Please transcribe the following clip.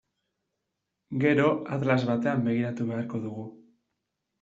Gero atlas batean begiratu beharko dugu.